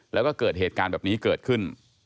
แล้วก็เกิดเหตุการณ์แบบนี้เกิดขึ้น